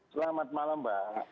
selamat malam mbak